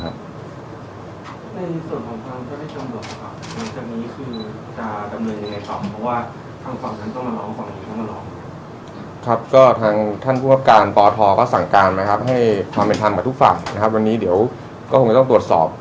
ให้ความเป็นธรรมกับทุกฝ่ายนะครับวันนี้เดี๋ยวก็คงจะต้องตรวจสอบ